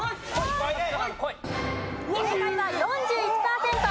正解は４１パーセント。